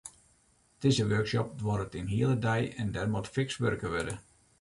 Dizze workshop duorret in hiele dei en der moat fiks wurke wurde.